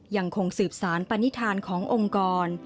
ยังคงสืบสารปณิธานขององค์กร